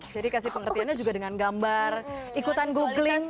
jadi kasih pengertiannya juga dengan gambar ikutan googling